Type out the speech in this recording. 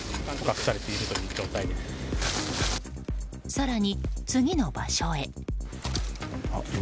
更に次の場所へ。